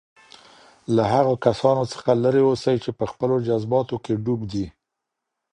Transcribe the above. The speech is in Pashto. له هغو کسانو څخه لرې اوسئ چي په خپلو جذباتو کي ډوب دي.